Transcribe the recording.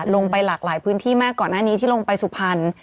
ลงไปหลากหลายพื้นที่มากก่อนหน้านี้ที่ลงไปสุพรรณ